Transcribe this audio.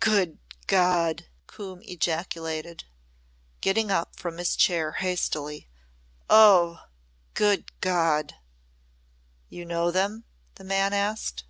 "Good God!" Coombe ejaculated, getting up from his chair hastily, "Oh! Good God!" "You know them?" the man asked.